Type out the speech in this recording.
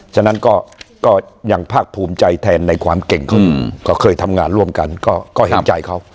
ฉะนั้นก็ยังภาคภูมิใจแทนในความเก่งเขาก็เคยทำงานร่วมกันก็เห็นใจเขา